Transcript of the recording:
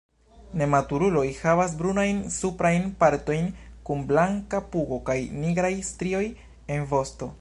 Nematuruloj havas brunajn suprajn partojn, kun blanka pugo kaj nigraj strioj en vosto.